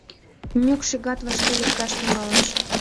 Мӱкш игат вашке лекташ тӱҥалеш.